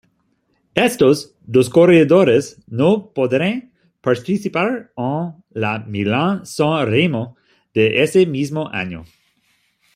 Estos dos corredores no podrán participar en la Milán-San Remo de ese mismo año.